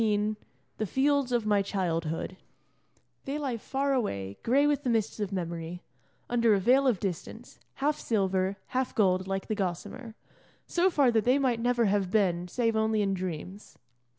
XV THE FIELDS OF MY CHILDHOOD They lie far away, gray with the mists of memory, under a veil of distance, half silver, half gold, like the gossamer, so far that they might never have been save only in dreams.